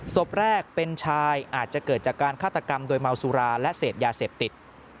ศพแรกเป็นชายอาจจะเกิดจากการฆาตกรรมโดยเมาสุราและเสพยาเสพติด